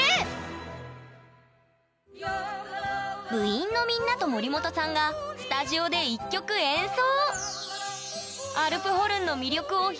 部員のみんなと森本さんがスタジオで１曲演奏！